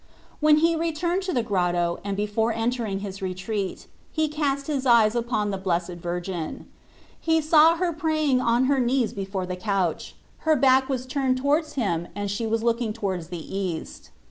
When he returned to the grotto, and before entering his retreat, he cast his eyes upon the Blessed Virgin. He saw her praying on her knees before the couch : ur %orfc Jesus Cbrist. 8 3 her back was turned towards him and she was looking towards the east.